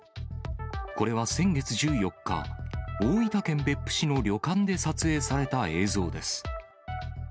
これは先月１４日、大分県別府市の旅館で撮影された映像です。